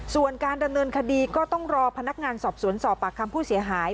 ส่วนการดำเนินคดีก็ต้องรอพนักงานสอบสวนสอบปากคำผู้เสียหาย